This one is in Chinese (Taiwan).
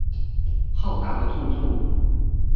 浩大的兔兔